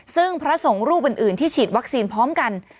ซึ่งพระสงฆ์รูปอื่นที่ฉีดวัคซีนพร้อมกัน